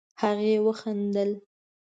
هغې وخندل.